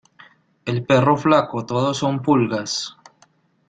En perro flaco todo son pulgas.